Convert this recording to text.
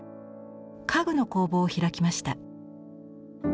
家具の工房を開きました。